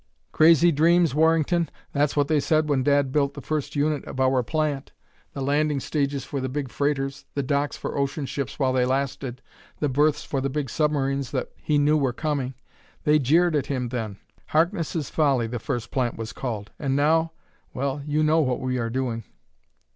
Crazy dreams, Warrington? That's what they said when Dad built the first unit of our plant, the landing stages for the big freighters, the docks for ocean ships while they lasted, the berths for the big submarines that he knew were coming. They jeered at him then. 'Harkness' Folly,' the first plant was called. And now well you know what we are doing."